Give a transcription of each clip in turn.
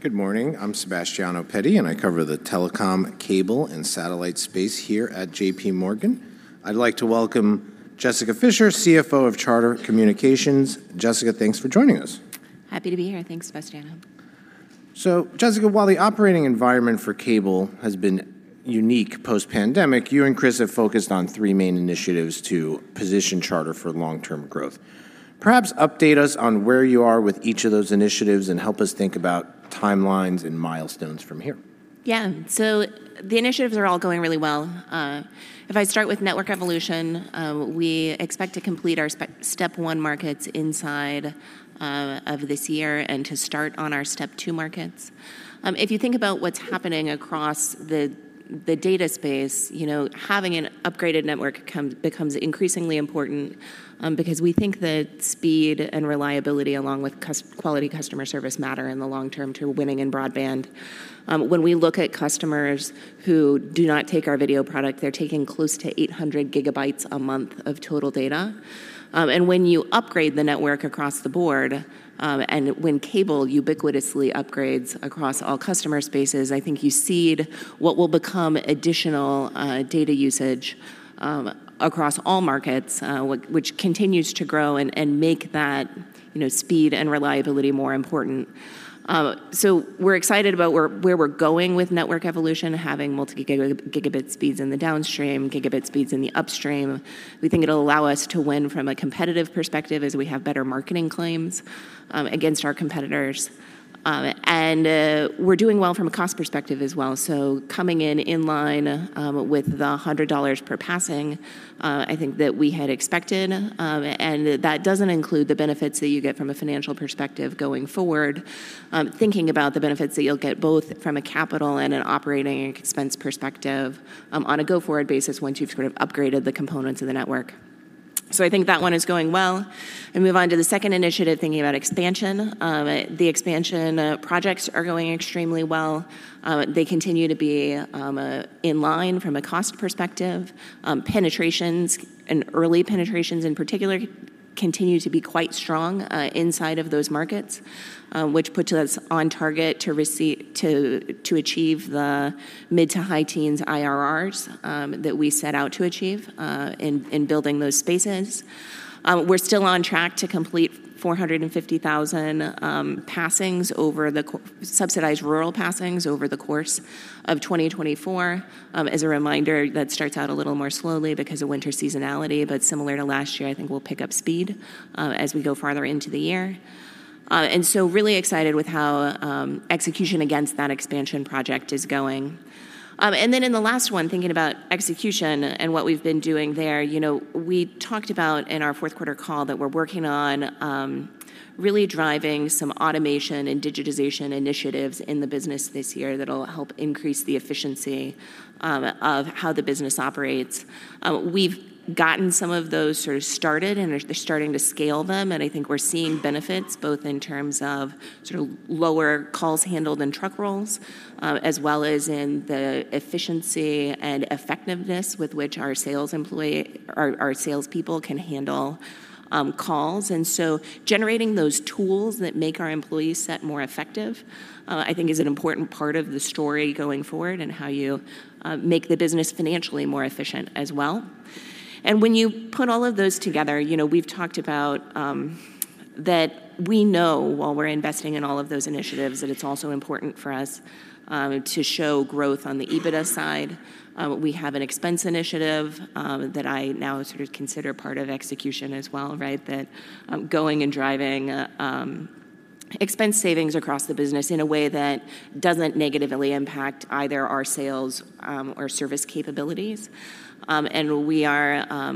Good morning. I'm Sebastiano Petti, and I cover the telecom, cable, and satellite space here at JPMorgan. I'd like to welcome Jessica Fischer, CFO of Charter Communications. Jessica, thanks for joining us. Happy to be here. Thanks, Sebastiano. So, Jessica, while the operating environment for cable has been unique post-pandemic, you and Chris have focused on three main initiatives to position Charter for long-term growth. Perhaps update us on where you are with each of those initiatives and help us think about timelines and milestones from here. Yeah. So the initiatives are all going really well. If I start with network evolution, we expect to complete our Step 1 markets inside of this year and to start on our Step 2 markets. If you think about what's happening across the data space, you know, having an upgraded network becomes increasingly important, because we think that speed and reliability, along with quality customer service, matter in the long term to winning in broadband. When we look at customers who do not take our video product, they're taking close to 800 GB a month of total data. And when you upgrade the network across the board, and when cable ubiquitously upgrades across all customer spaces, I think you see what will become additional, data usage, across all markets, which continues to grow and make that, you know, speed and reliability more important. So we're excited about where we're going with network evolution, having multi-gigabit speeds in the downstream, gigabit speeds in the upstream. We think it'll allow us to win from a competitive perspective as we have better marketing claims against our competitors. And, we're doing well from a cost perspective as well, so coming in line with the $100 per passing, I think that we had expected. And that doesn't include the benefits that you get from a financial perspective going forward, thinking about the benefits that you'll get both from a capital and an operating expense perspective, on a go-forward basis once you've sort of upgraded the components of the network. So I think that one is going well. And move on to the second initiative, thinking about expansion. The expansion projects are going extremely well. They continue to be in line from a cost perspective. Penetrations and early penetrations in particular continue to be quite strong inside of those markets, which puts us on target to achieve the mid to high teens IRRs that we set out to achieve in building those spaces. We're still on track to complete 450,000 subsidized rural passings over the course of 2024. As a reminder, that starts out a little more slowly because of winter seasonality, but similar to last year, I think we'll pick up speed as we go further into the year. And so really excited with how execution against that expansion project is going. And then in the last one, thinking about execution and what we've been doing there, you know, we talked about in our fourth quarter call that we're working on really driving some automation and digitization initiatives in the business this year that'll help increase the efficiency of how the business operates. We've gotten some of those sort of started, and they're starting to scale them, and I think we're seeing benefits both in terms of sort of lower calls handled in truck rolls, as well as in the efficiency and effectiveness with which our sales employees, our salespeople can handle calls. And so generating those tools that make our employee set more effective, I think is an important part of the story going forward and how you make the business financially more efficient as well. And when you put all of those together, you know, we've talked about that we know while we're investing in all of those initiatives, that it's also important for us to show growth on the EBITDA side. We have an expense initiative that I now sort of consider part of execution as well, right? That, going and driving expense savings across the business in a way that doesn't negatively impact either our sales or service capabilities. And we are.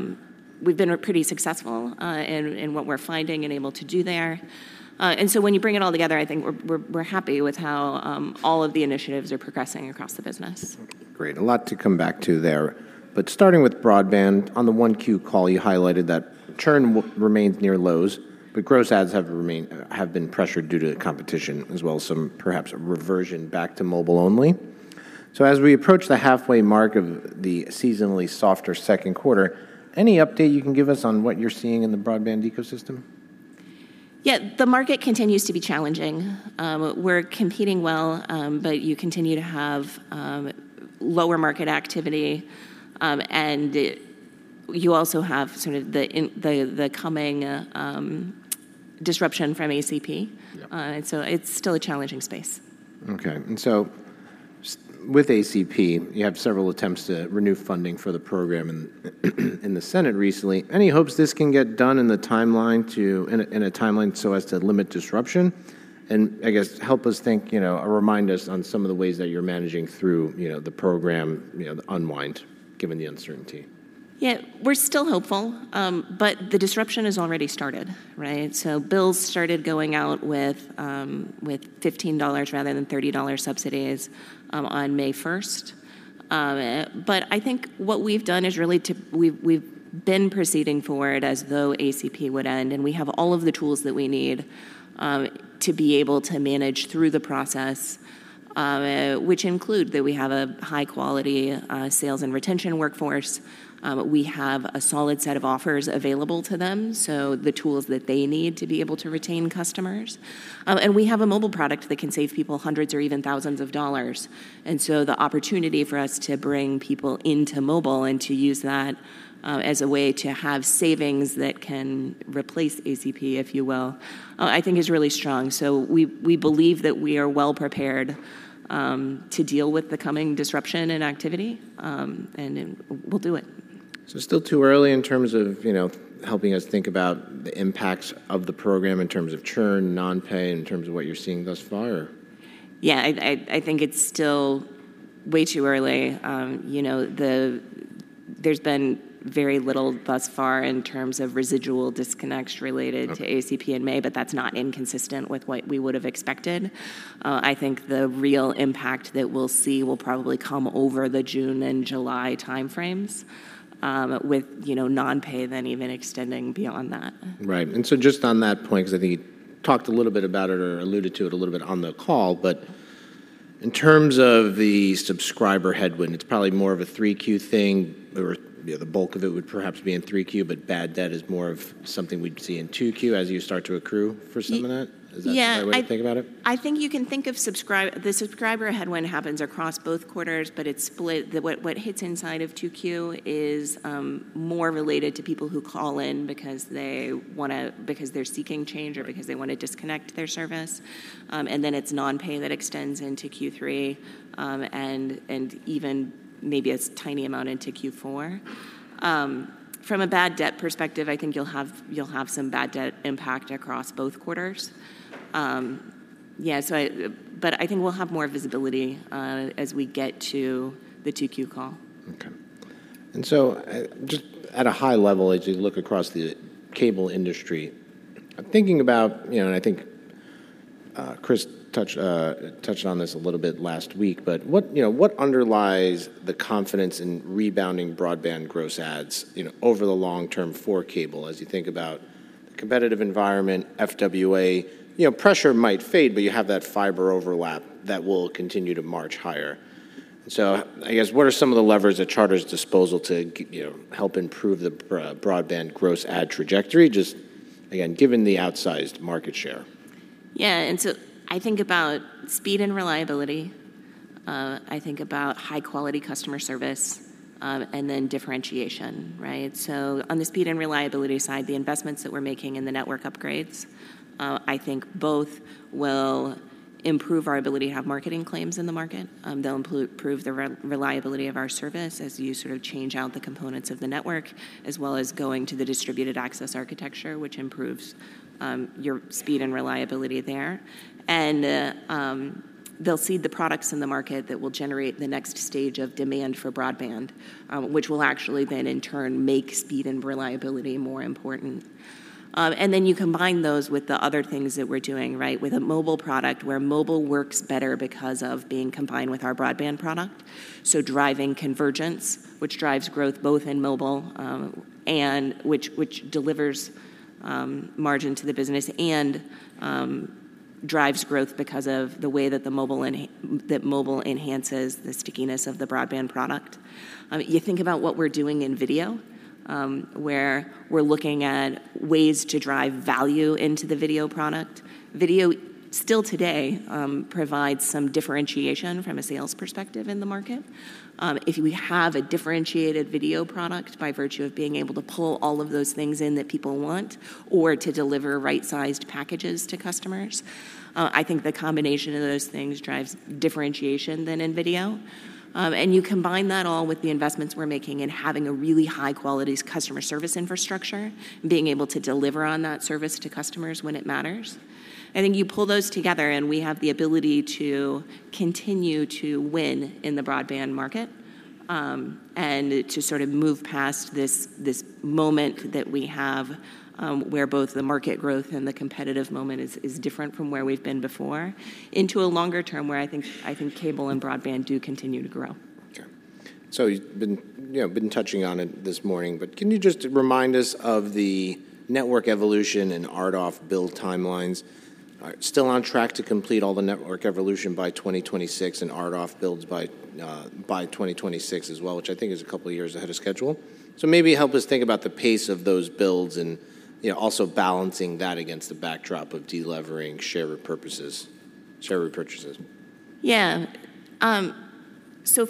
We've been pretty successful in what we're finding and able to do there. And so when you bring it all together, I think we're happy with how all of the initiatives are progressing across the business. Great. A lot to come back to there. But starting with broadband, on the 1Q call, you highlighted that churn remains near lows, but gross adds have remained, have been pressured due to the competition, as well as some perhaps reversion back to mobile only. So as we approach the halfway mark of the seasonally softer second quarter, any update you can give us on what you're seeing in the broadband ecosystem? Yeah, the market continues to be challenging. We're competing well, but you continue to have lower market activity, and you also have sort of the incoming disruption from ACP. Yeah. And so it's still a challenging space. Okay, and so with ACP, you have several attempts to renew funding for the program in the Senate recently. Any hopes this can get done in a timeline so as to limit disruption? And I guess help us think, you know, or remind us on some of the ways that you're managing through, you know, the program, you know, the unwind, given the uncertainty. Yeah, we're still hopeful, but the disruption has already started, right? So, bills started going out with $15 rather than $30 subsidies on May 1. But I think what we've done is really to—we've been proceeding forward as though ACP would end, and we have all of the tools that we need to be able to manage through the process, which include that we have a high-quality sales and retention workforce, we have a solid set of offers available to them, so the tools that they need to be able to retain customers. And we have a mobile product that can save people hundreds or even thousands of dollars. And so the opportunity for us to bring people into mobile and to use that, as a way to have savings that can replace ACP, if you will, I think is really strong. So we believe that we are well prepared, to deal with the coming disruption in activity, and we'll do it. It's still too early in terms of, you know, helping us think about the impacts of the program in terms of churn, non-pay, in terms of what you're seeing thus far? Yeah, I think it's still way too early. You know, there's been very little thus far in terms of residual disconnects related to ACP in May, but that's not inconsistent with what we would have expected. I think the real impact that we'll see will probably come over the June and July time frames, with, you know, non-pay then even extending beyond that. Right. And so just on that point, because I think you talked a little bit about it or alluded to it a little bit on the call, but in terms of the subscriber headwind, it's probably more of a 3Q thing, or, you know, the bulk of it would perhaps be in 3Q, but bad debt is more of something we'd see in 2Q as you start to accrue for some of that? Yeah Is that the right way to think about it? I think you can think of the subscriber headwind happens across both quarters, but it's split. What hits inside of 2Q is more related to people who call in because they wanna because they're seeking change or because they wanna disconnect their service. And then it's non-pay that extends into Q3, and even maybe a tiny amount into Q4. From a bad debt perspective, I think you'll have some bad debt impact across both quarters. Yeah, so I... But I think we'll have more visibility as we get to the 2Q call. Okay. So, just at a high level, as you look across the cable industry, I'm thinking about, you know, and I think, Chris touched on this a little bit last week, but what, you know, what underlies the confidence in rebounding broadband gross adds, you know, over the long term for cable, as you think about competitive environment, FWA? You know, pressure might fade, but you have that fiber overlap that will continue to march higher. So I guess, what are some of the levers at Charter's disposal to, you know, help improve the broadband gross add trajectory, just, again, given the outsized market share? Yeah. And so I think about speed and reliability. I think about high-quality customer service, and then differentiation, right? So on the speed and reliability side, the investments that we're making in the network upgrades, I think both will improve our ability to have marketing claims in the market. They'll improve the reliability of our service as you sort of change out the components of the network, as well as going to the Distributed Access Architecture, which improves your speed and reliability there. And they'll seed the products in the market that will generate the next stage of demand for broadband, which will actually then, in turn, make speed and reliability more important. And then you combine those with the other things that we're doing, right? With a mobile product, where mobile works better because of being combined with our broadband product. So driving convergence, which drives growth both in mobile, and which delivers margin to the business and drives growth because of the way that the mobile enhances the stickiness of the broadband product. You think about what we're doing in video, where we're looking at ways to drive value into the video product. Video, still today, provides some differentiation from a sales perspective in the market. If we have a differentiated video product by virtue of being able to pull all of those things in that people want or to deliver right-sized packages to customers, I think the combination of those things drives differentiation then in video. You combine that all with the investments we're making in having a really high-quality customer service infrastructure, being able to deliver on that service to customers when it matters. I think you pull those together, and we have the ability to continue to win in the broadband market, and to sort of move past this moment that we have, where both the market growth and the competitive moment is different from where we've been before, into a longer term, where I think, I think cable and broadband do continue to grow. Sure. So you've been, you know, touching on it this morning, but can you just remind us of the network evolution and RDOF build timelines? Still on track to complete all the network evolution by 2026 and RDOF builds by 2026 as well, which I think is a couple of years ahead of schedule. So maybe help us think about the pace of those builds and, you know, also balancing that against the backdrop of delevering share repurchases, share repurchases. Yeah. So,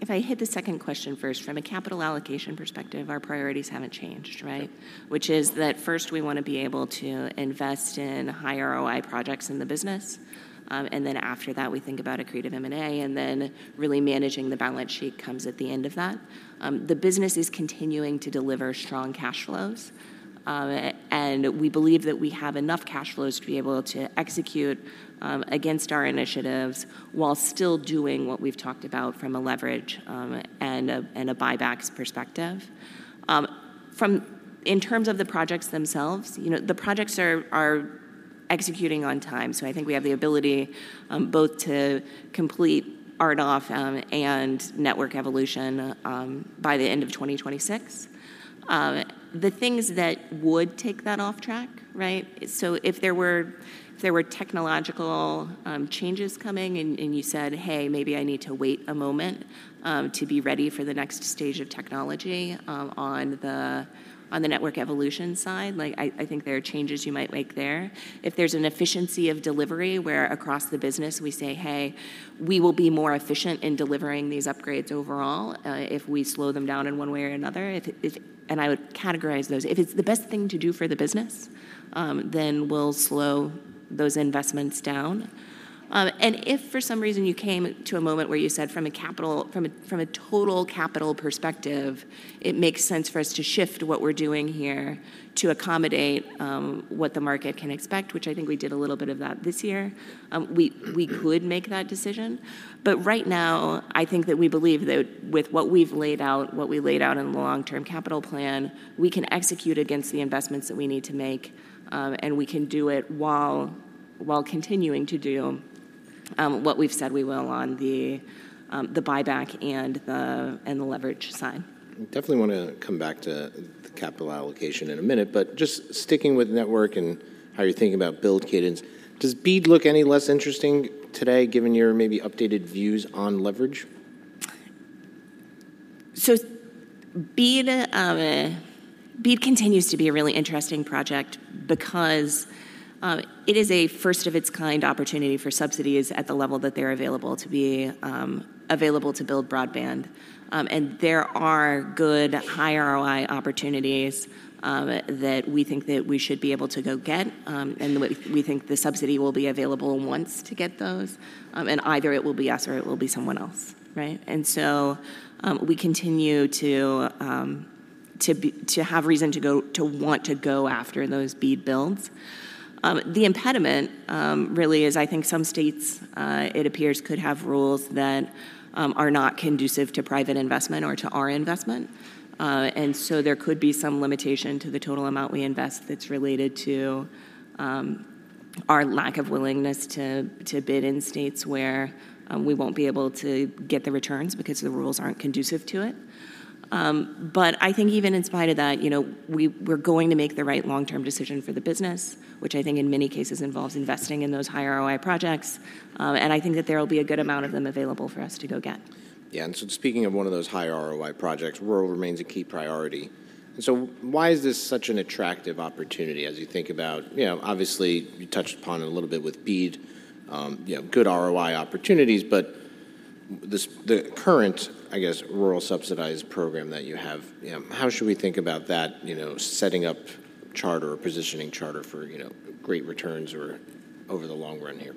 if I hit the second question first, from a capital allocation perspective, our priorities haven't changed, right? Which is that first we wanna be able to invest in higher ROI projects in the business, and then after that, we think about accretive M&A, and then really managing the balance sheet comes at the end of that. The business is continuing to deliver strong cash flows, and we believe that we have enough cash flows to be able to execute against our initiatives while still doing what we've talked about from a leverage and buybacks perspective. In terms of the projects themselves, you know, the projects are executing on time. So I think we have the ability both to complete RDOF and network evolution by the end of 2026. The things that would take that off track, right? So if there were technological changes coming and you said, "Hey, maybe I need to wait a moment to be ready for the next stage of technology," on the network evolution side, like, I think there are changes you might make there. If there's an efficiency of delivery, where across the business, we say: "Hey, we will be more efficient in delivering these upgrades overall if we slow them down in one way or another," and I would categorise those. If it's the best thing to do for the business, then we'll slow those investments down. And if for some reason you came to a moment where you said, from a total capital perspective, it makes sense for us to shift what we're doing here to accommodate what the market can expect, which I think we did a little bit of that this year, we could make that decision. But right now, I think that we believe that with what we've laid out, what we laid out in the long-term capital plan, we can execute against the investments that we need to make, and we can do it while continuing to do what we've said we will on the buyback and the leverage side. I definitely wanna come back to the capital allocation in a minute, but just sticking with network and how you're thinking about build cadence, does BEAD look any less interesting today, given your maybe updated views on leverage? So BEAD continues to be a really interesting project because it is a first-of-its-kind opportunity for subsidies at the level that they're available to be available to build broadband. And there are good high ROI opportunities that we think that we should be able to go get, and we think the subsidy will be available once to get those. And either it will be us or it will be someone else, right? And so we continue to have reason to go, to want to go after those BEAD builds. The impediment really is, I think some states it appears could have rules that are not conducive to private investment or to our investment. So there could be some limitation to the total amount we invest that's related to our lack of willingness to bid in states where we won't be able to get the returns because the rules aren't conducive to it. But I think even in spite of that, you know, we're going to make the right long-term decision for the business, which I think in many cases involves investing in those high ROI projects, and I think that there will be a good amount of them available for us to go get. Yeah, and so speaking of one of those high ROI projects, rural remains a key priority. And so why is this such an attractive opportunity as you think about... You know, obviously, you touched upon it a little bit with BEAD, you know, good ROI opportunities, but the current, I guess, rural subsidized program that you have, how should we think about that, you know, setting up Charter or positioning Charter for, you know, great returns or over the long run here?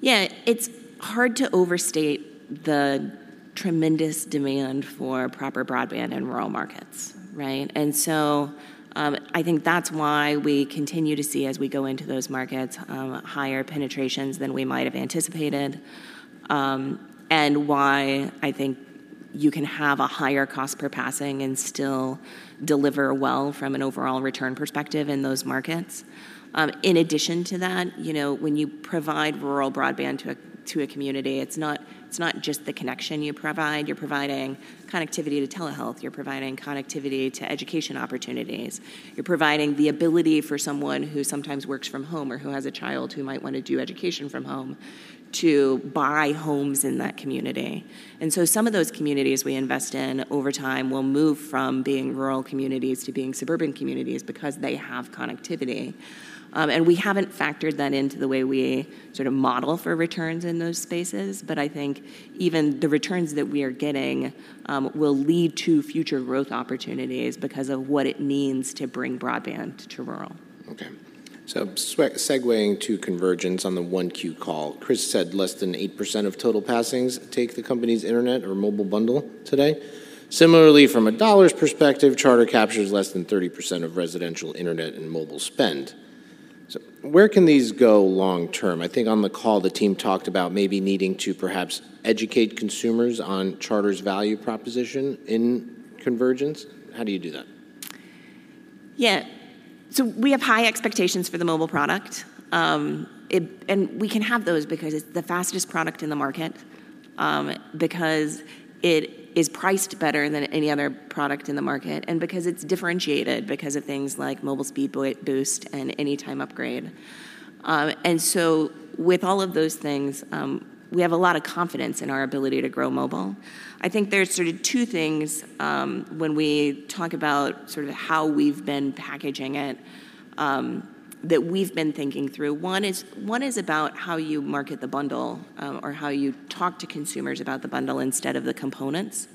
Yeah. It's hard to overstate the tremendous demand for proper broadband in rural markets, right? And so, I think that's why we continue to see, as we go into those markets, higher penetrations than we might have anticipated, and why I think you can have a higher cost per passing and still deliver well from an overall return perspective in those markets. In addition to that, you know, when you provide rural broadband to a community, it's not just the connection you provide. You're providing connectivity to telehealth, you're providing connectivity to education opportunities. You're providing the ability for someone who sometimes works from home or who has a child who might wanna do education from home, to buy homes in that community. And so some of those communities we invest in over time will move from being rural communities to being suburban communities because they have connectivity. And we haven't factored that into the way we sort of model for returns in those spaces, but I think even the returns that we are getting will lead to future growth opportunities because of what it means to bring broadband to rural. Okay. So, segueing to convergence on the 1Q call, Chris said less than 8% of total passings take the company's internet or mobile bundle today. Similarly, from a dollars perspective, Charter captures less than 30% of residential internet and mobile spend. So where can these go long-term? I think on the call, the team talked about maybe needing to perhaps educate consumers on Charter's value proposition in convergence. How do you do that? Yeah. So we have high expectations for the mobile product. And we can have those because it's the fastest product in the market, because it is priced better than any other product in the market, and because it's differentiated because of things like Mobile Speed Boost and Anytime Upgrade. And so with all of those things, we have a lot of confidence in our ability to grow mobile. I think there's sort of two things, when we talk about sort of how we've been packaging it, that we've been thinking through. One is about how you market the bundle, or how you talk to consumers about the bundle instead of the components.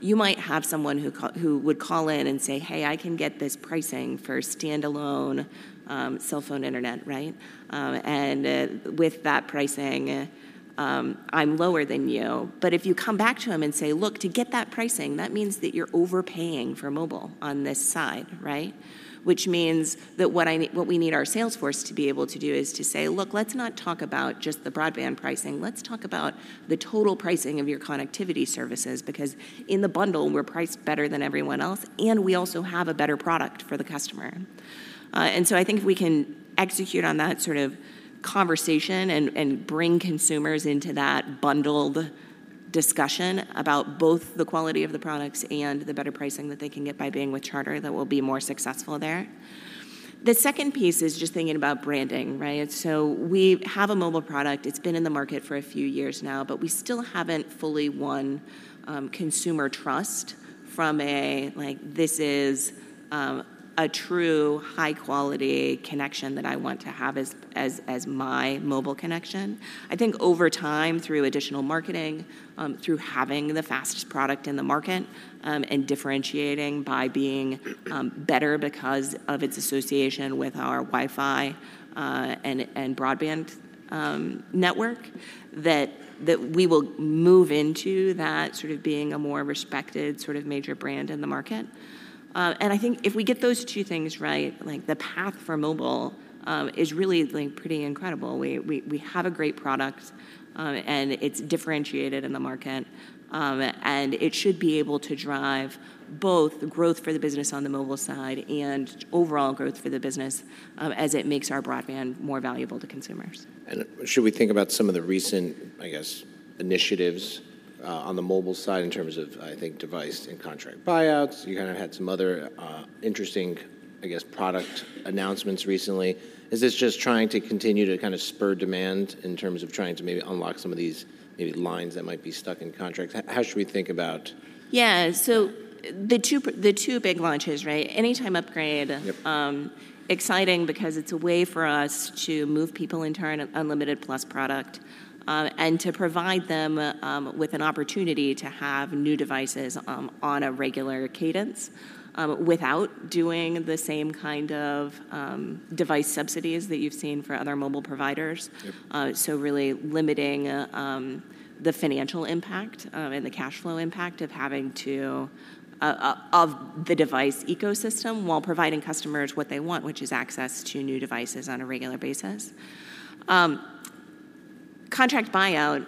You might have someone who would call in and say, "Hey, I can get this pricing for standalone cell phone internet," right? And with that pricing, I'm lower than you-"... But if you come back to them and say, "Look, to get that pricing, that means that you're overpaying for mobile on this side, right?" Which means that what we need our sales force to be able to do is to say, "Look, let's not talk about just the broadband pricing. Let's talk about the total pricing of your connectivity services, because in the bundle, we're priced better than everyone else, and we also have a better product for the customer." And so I think if we can execute on that sort of conversation and bring consumers into that bundled discussion about both the quality of the products and the better pricing that they can get by being with Charter, that we'll be more successful there. The second piece is just thinking about branding, right? So we have a mobile product. It's been in the market for a few years now, but we still haven't fully won consumer trust from a, like, this is a true high-quality connection that I want to have as my mobile connection. I think over time, through additional marketing, through having the fastest product in the market, and differentiating by being better because of its association with our Wi-Fi and broadband network, that we will move into that sort of being a more respected, sort of major brand in the market. And I think if we get those two things right, like, the path for mobile is really, like, pretty incredible. We have a great product, and it's differentiated in the market, and it should be able to drive both the growth for the business on the mobile side and overall growth for the business, as it makes our broadband more valuable to consumers. Should we think about some of the recent, I guess, initiatives, on the mobile side in terms of, I think, device and Contract Buyouts? You kinda had some other, interesting, I guess, product announcements recently. Is this just trying to continue to kinda spur demand in terms of trying to maybe unlock some of these maybe lines that might be stuck in contracts? How should we think about- Yeah, so the two big launches, right? Anytime Upgrade- Yep. Exciting because it's a way for us to move people into our Unlimited Plus product, and to provide them with an opportunity to have new devices on a regular cadence, without doing the same kind of device subsidies that you've seen for other mobile providers. Yep. So, really limiting the financial impact and the cash flow impact of having to of the device ecosystem, while providing customers what they want, which is access to new devices on a regular basis. Contract Buyout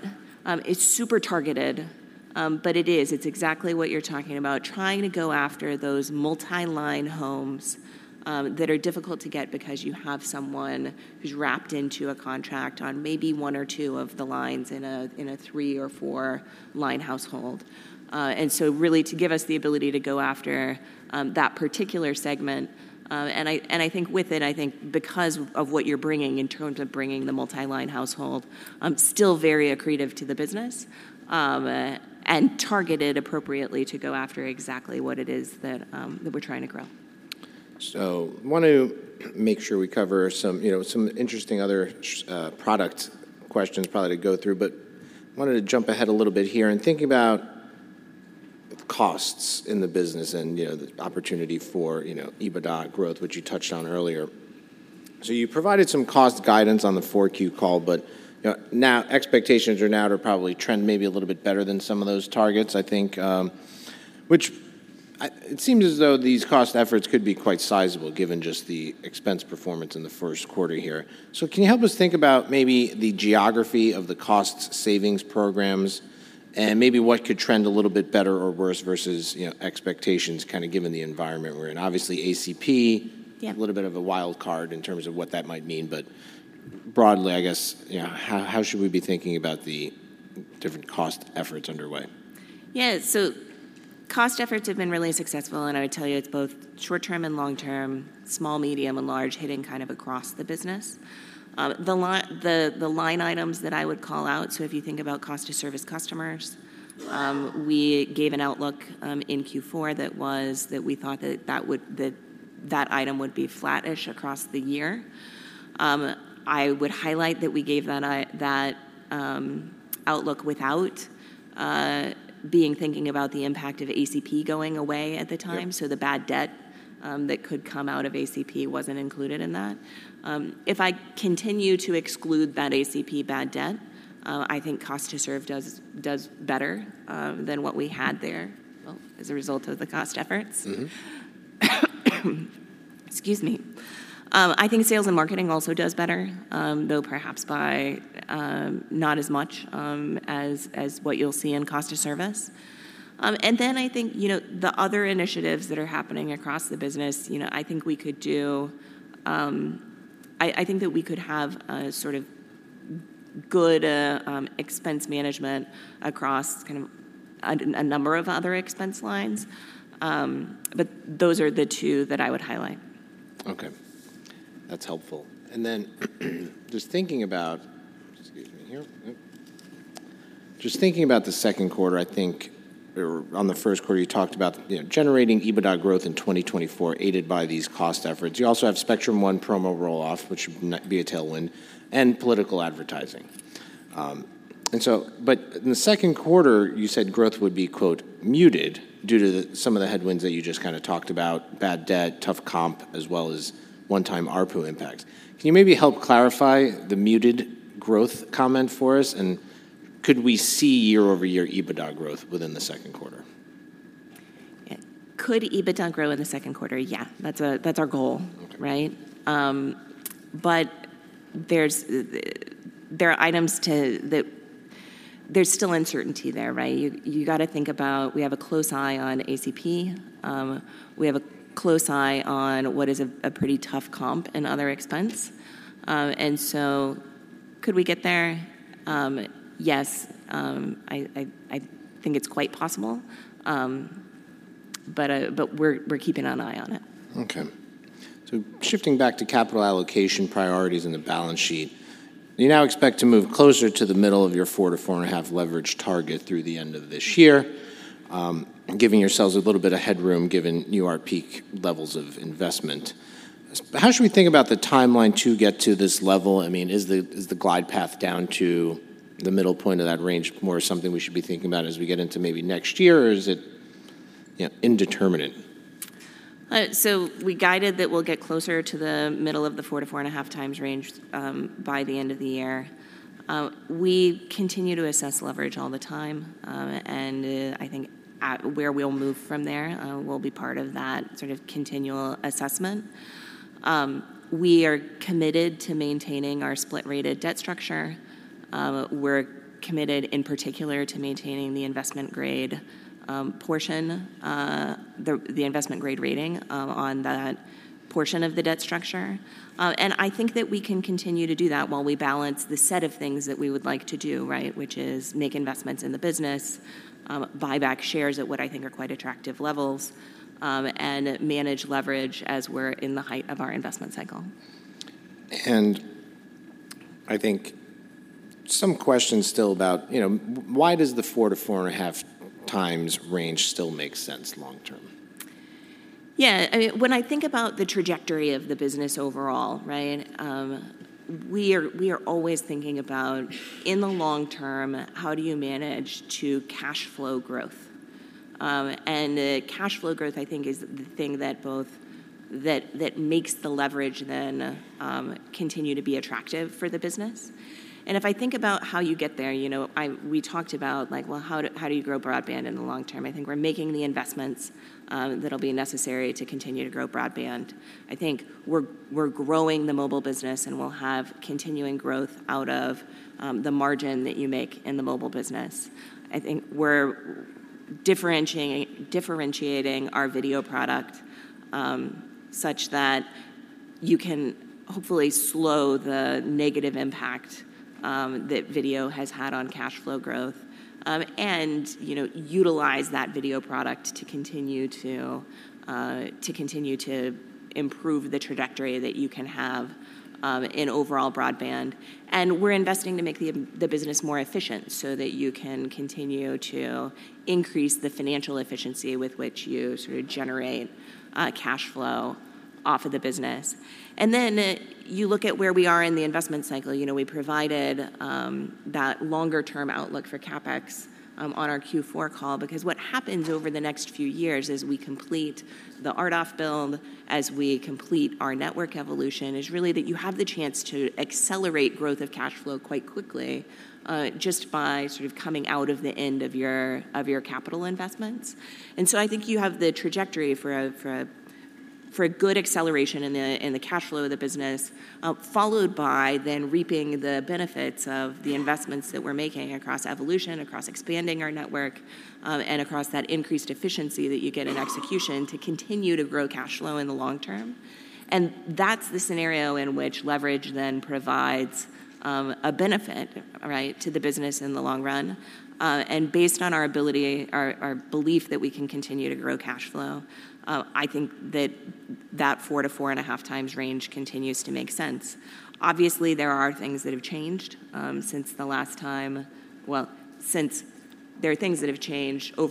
is super targeted, but it is. It's exactly what you're talking about, trying to go after those multi-line homes that are difficult to get because you have someone who's wrapped into a contract on maybe one or two of the lines in a three or four-line household. And so really, to give us the ability to go after that particular segment, and I think with it, because of what you're bringing in terms of bringing the multi-line household, still very accretive to the business, and targeted appropriately to go after exactly what it is that we're trying to grow. So want to make sure we cover some, you know, some interesting other product questions, probably to go through, but wanted to jump ahead a little bit here. In thinking about the costs in the business and, you know, the opportunity for, you know, EBITDA growth, which you touched on earlier. So you provided some cost guidance on the 4Q call, but, you know, now expectations are now to probably trend maybe a little bit better than some of those targets, I think, which it seems as though these cost efforts could be quite sizable, given just the expense performance in the first quarter here. So can you help us think about maybe the geography of the cost savings programs, and maybe what could trend a little bit better or worse versus, you know, expectations, kinda given the environment we're in? Obviously, ACP- Yeah... A little bit of a wild card in terms of what that might mean, but broadly, I guess, you know, how should we be thinking about the different cost efforts underway? Yeah, so cost efforts have been really successful, and I would tell you, it's both short-term and long-term, small, medium, and large, hitting kind of across the business. The line items that I would call out, so if you think about cost to service customers, we gave an outlook in Q4 that we thought that that would, that that item would be flattish across the year. I would highlight that we gave that outlook without being thinking about the impact of ACP going away at the time. Yep. So the bad debt that could come out of ACP wasn't included in that. If I continue to exclude that ACP bad debt, I think cost to serve does better than what we had there, well, as a result of the cost efforts. Mm-hmm. Excuse me. I think sales and marketing also does better, though perhaps by not as much as what you'll see in cost to service. And then I think, you know, the other initiatives that are happening across the business, you know, I think we could do... I think that we could have a sort of good expense management across kind of a number of other expense lines. But those are the two that I would highlight. Okay. That's helpful. And then, just thinking about... Excuse me here. Yep. Just thinking about the second quarter, I think, or on the first quarter, you talked about, you know, generating EBITDA growth in 2024, aided by these cost efforts. You also have Spectrum One promo roll-off, which'll be a tailwind, and political advertising. And so, but in the second quarter, you said growth would be, quote, "muted" due to the, some of the headwinds that you just kinda talked about: bad debt, tough comp, as well as one-time ARPU impact. Can you maybe help clarify the muted growth comment for us, and could we see year-over-year EBITDA growth within the second quarter?... Could EBITDA grow in the second quarter? Yeah, that's our goal, right? But there are items that... There's still uncertainty there, right? You gotta think about, we have a close eye on ACP. We have a close eye on what is a pretty tough comp and other expenses. And so could we get there? Yes, I think it's quite possible. But we're keeping an eye on it. Okay. So shifting back to capital allocation priorities and the balance sheet, you now expect to move closer to the middle of your 4x-4.5x leverage target through the end of this year, giving yourselves a little bit of headroom, given your peak levels of investment. How should we think about the timeline to get to this level? I mean, is the glide path down to the middle point of that range more something we should be thinking about as we get into maybe next year, or is it, you know, indeterminate? So we guided that we'll get closer to the middle of the 4x-4.5x range by the end of the year. We continue to assess leverage all the time, and I think where we'll move from there will be part of that sort of continual assessment. We are committed to maintaining our split-rated debt structure. We're committed, in particular, to maintaining the investment grade portion, the investment grade rating on that portion of the debt structure. And I think that we can continue to do that while we balance the set of things that we would like to do, right? Which is make investments in the business, buy back shares at what I think are quite attractive levels, and manage leverage as we're in the height of our investment cycle. I think some questions still about, you know, why does the 4x-4.5x range still make sense long term? Yeah, I mean, when I think about the trajectory of the business overall, right, we are always thinking about, in the long term, how do you manage to cash flow growth? And cash flow growth, I think, is the thing that makes the leverage then continue to be attractive for the business. And if I think about how you get there, you know, we talked about, like, well, how do you grow broadband in the long term? I think we're making the investments that'll be necessary to continue to grow broadband. I think we're growing the mobile business, and we'll have continuing growth out of the margin that you make in the mobile business. I think we're differentiating, differentiating our video product such that you can hopefully slow the negative impact that video has had on cash flow growth, and, you know, utilize that video product to continue to, to continue to improve the trajectory that you can have in overall broadband. We're investing to make the, the business more efficient so that you can continue to increase the financial efficiency with which you sort of generate cash flow off the business. Then you look at where we are in the investment cycle. You know, we provided that longer-term outlook for CapEx on our Q4 call, because what happens over the next few years, as we complete the RDOF build, as we complete our network evolution, is really that you have the chance to accelerate growth of cash flow quite quickly, just by sort of coming out of the end of your capital investments. And so I think you have the trajectory for a good acceleration in the cash flow of the business, followed by then reaping the benefits of the investments that we're making across evolution, across expanding our network, and across that increased efficiency that you get in execution to continue to grow cash flow in the long term. That's the scenario in which leverage then provides a benefit, right, to the business in the long run. And based on our ability, our belief that we can continue to grow cash flow, I think that 4x-4.5x range continues to make sense. Obviously, there are things that have changed over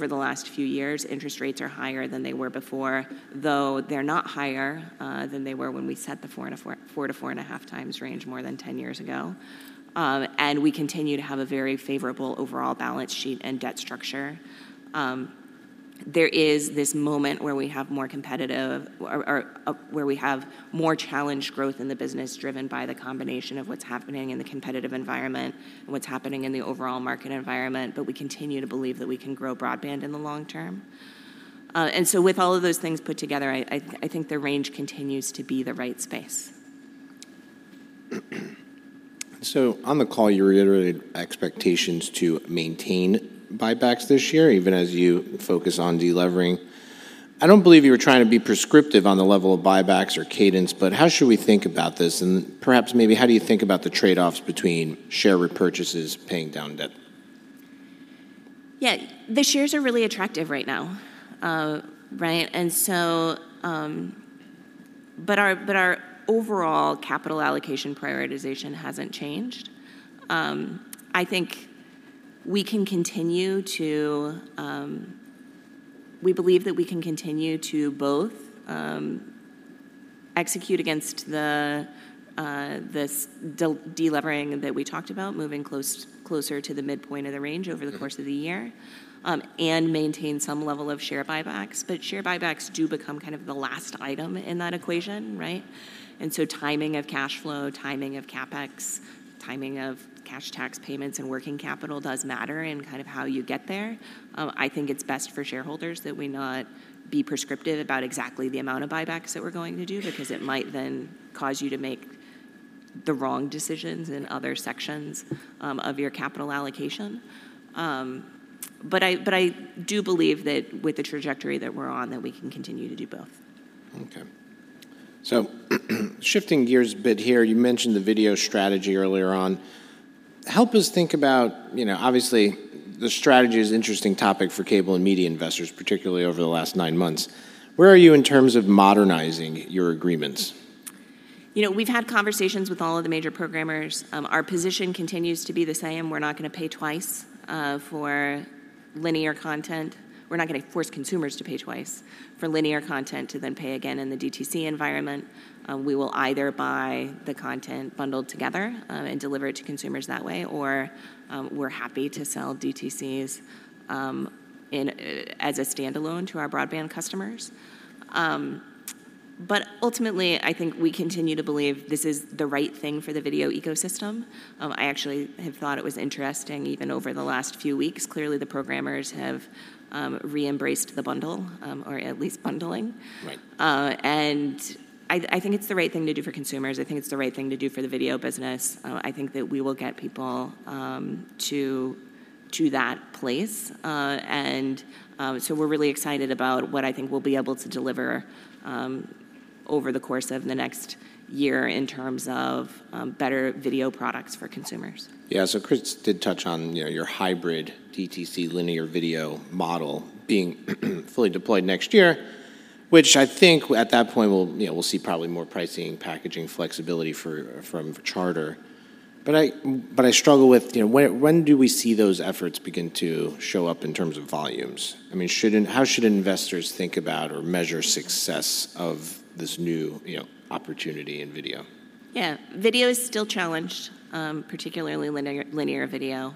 the last few years. Interest rates are higher than they were before, though they're not higher than they were when we set the 4x-4.5x range more than 10 years ago. And we continue to have a very favorable overall balance sheet and debt structure. There is this moment where we have more competitive, where we have more challenged growth in the business, driven by the combination of what's happening in the competitive environment and what's happening in the overall market environment, but we continue to believe that we can grow broadband in the long term. And so with all of those things put together, I think the range continues to be the right space. On the call, you reiterated expectations to maintain buybacks this year, even as you focus on delevering. I don't believe you were trying to be prescriptive on the level of buybacks or cadence, but how should we think about this? And perhaps, maybe, how do you think about the trade-offs between share repurchases paying down debt? Yeah. The shares are really attractive right now, right? But our overall capital allocation prioritization hasn't changed. We believe that we can continue to both execute against this delevering that we talked about, moving closer to the midpoint of the range over the course of the year, and maintain some level of share buybacks. But share buybacks do become kind of the last item in that equation, right? And so timing of cash flow, timing of CapEx, timing of cash tax payments and working capital does matter in kind of how you get there. I think it's best for shareholders that we not be prescriptive about exactly the amount of buybacks that we're going to do, because it might then cause you to make the wrong decisions in other sections of your capital allocation. But I do believe that with the trajectory that we're on, that we can continue to do both. Okay. So, shifting gears a bit here, you mentioned the video strategy earlier on. Help us think about... You know, obviously, the strategy is an interesting topic for cable and media investors, particularly over the last nine months. Where are you in terms of modernizing your agreements? You know, we've had conversations with all of the major programmers. Our position continues to be the same: we're not gonna pay twice for linear content. We're not gonna force consumers to pay twice for linear content, to then pay again in the DTC environment. We will either buy the content bundled together and deliver it to consumers that way, or we're happy to sell DTCs in as a standalone to our broadband customers. But ultimately, I think we continue to believe this is the right thing for the video ecosystem. I actually have thought it was interesting, even over the last few weeks. Clearly, the programmers have re-embraced the bundle or at least bundling. Right. And I think it's the right thing to do for consumers. I think it's the right thing to do for the video business. I think that we will get people to that place. And so we're really excited about what I think we'll be able to deliver over the course of the next year in terms of better video products for consumers. Yeah, so Chris did touch on, you know, your hybrid DTC linear video model being fully deployed next year, which I think at that point, we'll, you know, we'll see probably more pricing, packaging, flexibility for, from Charter. But I, but I struggle with, you know, when, when do we see those efforts begin to show up in terms of volumes? I mean, should how should investors think about or measure success of this new, you know, opportunity in video? Yeah. Video is still challenged, particularly linear, linear video.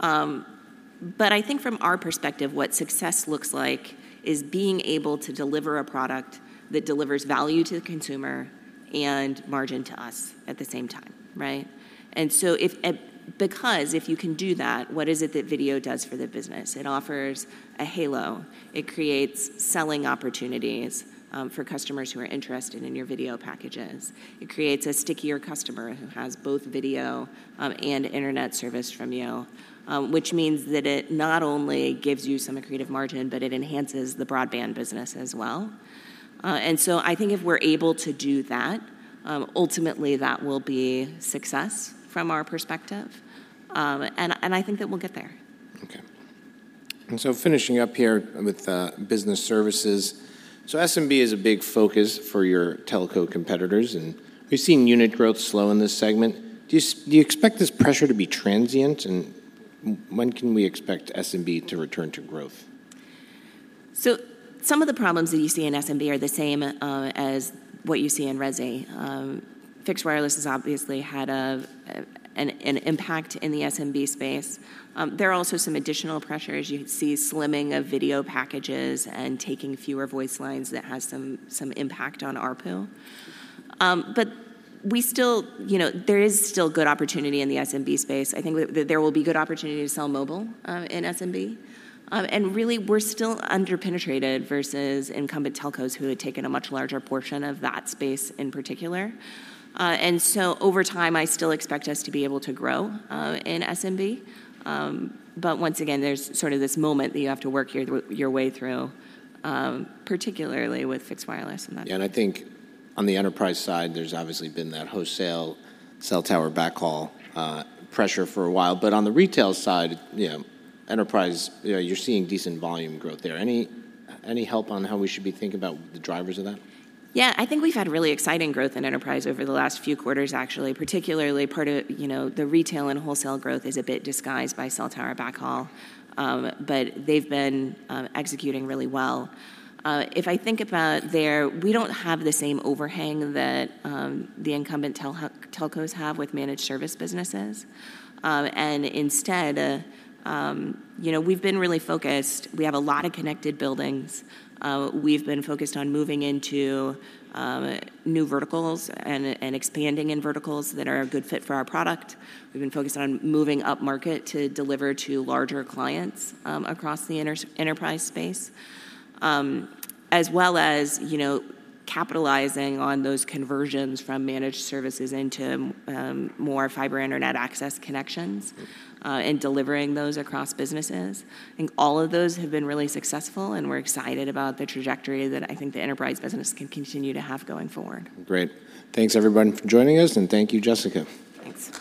But I think from our perspective, what success looks like is being able to deliver a product that delivers value to the consumer and margin to us at the same time, right? And so, because if you can do that, what is it that video does for the business? It offers a halo. It creates selling opportunities for customers who are interested in your video packages. It creates a stickier customer who has both video and internet service from you, which means that it not only gives you some accretive margin, but it enhances the broadband business as well. And so I think if we're able to do that, ultimately, that will be success from our perspective, and I think that we'll get there. Okay. And so finishing up here with business services. So SMB is a big focus for your telco competitors, and we've seen unit growth slow in this segment. Do you expect this pressure to be transient, and when can we expect SMB to return to growth? So some of the problems that you see in SMB are the same as what you see in resi. Fixed wireless has obviously had an impact in the SMB space. There are also some additional pressures. You see slimming of video packages and taking fewer voice lines that has some impact on ARPU. But we still... You know, there is still good opportunity in the SMB space. I think that there will be good opportunity to sell mobile in SMB. And really, we're still under-penetrated versus incumbent telcos, who had taken a much larger portion of that space in particular. And so over time, I still expect us to be able to grow in SMB. But once again, there's sort of this moment that you have to work your way through, particularly with fixed wireless and that. Yeah, and I think on the enterprise side, there's obviously been that wholesale cell tower backhaul pressure for a while. But on the retail side, you know, enterprise, you know, you're seeing decent volume growth there. Any help on how we should be thinking about the drivers of that? Yeah, I think we've had really exciting growth in enterprise over the last few quarters, actually, particularly part of... You know, the retail and wholesale growth is a bit disguised by cell tower backhaul. But they've been executing really well. If I think about their... We don't have the same overhang that the incumbent telcos have with managed service businesses. And instead, you know, we've been really focused. We have a lot of connected buildings. We've been focused on moving into new verticals and expanding in verticals that are a good fit for our product. We've been focused on moving upmarket to deliver to larger clients across the enterprise space, as well as, you know, capitalizing on those conversions from managed services into more fiber internet access connections- Yep ... and delivering those across businesses. I think all of those have been really successful, and we're excited about the trajectory that I think the enterprise business can continue to have going forward. Great. Thanks, everyone, for joining us, and thank you, Jessica. Thanks.